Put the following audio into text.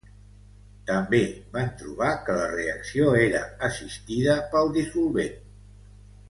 També van trobar que la reacció era assistida pel dissolvent.